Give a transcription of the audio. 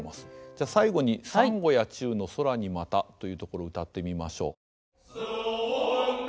じゃあ最後に「三五夜中の空にまた」というところ謡ってみましょう。